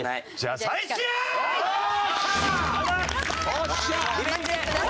よっしゃ！